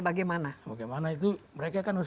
bagaimana bagaimana itu mereka kan harus